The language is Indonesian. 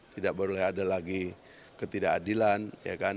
tidak boleh ada lagi ketidakadilan ya kan